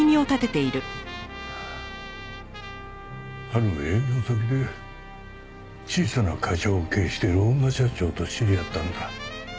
ある営業先で小さな会社を経営している女社長と知り合ったんだ。